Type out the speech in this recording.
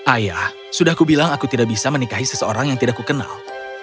ayah sudah kubilang aku tidak bisa menikahi seseorang yang tidak kukenal